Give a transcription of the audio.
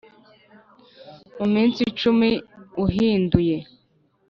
Mu minsi icumi uhinduye